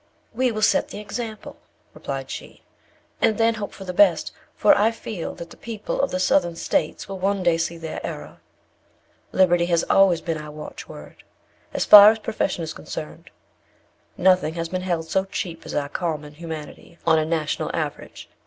"We will set the example," replied she, "and then hope for the best; for I feel that the people of the Southern States will one day see their error. Liberty has always been our watchword, as far as profession is concerned. Nothing has been held so cheap as our common humanity, on a national average.